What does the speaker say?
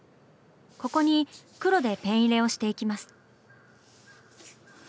ここに黒でペン入れをしていきます。